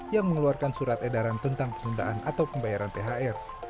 yang mengeluarkan surat edaran tentang penundaan atau pembayaran thr